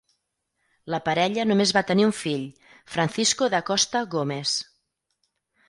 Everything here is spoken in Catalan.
La parella només va tenir un fill, Francisco da Costa Gomes.